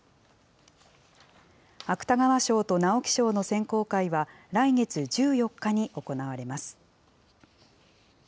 芥川賞と直木賞の選考会は来月１４日に行われます。